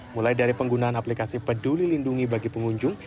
mulai dari penggunaan aplikasi peduli lindungi bagi pengunjung